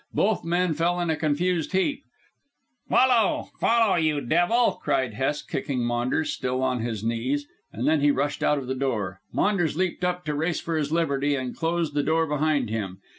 Both men fell in a confused heap. "Follow! Follow, you devil!" cried Hest kicking Maunders, still on his knees, and then he rushed out of the door. Maunders leaped up to race for his liberty and closed the door behind him.